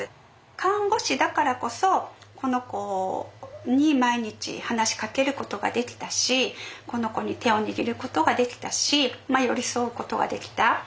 看護師だからこそこの子に毎日話しかけることができたしこの子に手を握ることができたし寄り添うことができた。